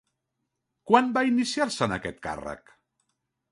Quan va iniciar-se en aquest càrrec?